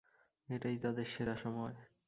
এটাই তাদের সেরা সময়।